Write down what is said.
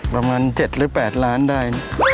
ประมาณ๗๘ล้านได้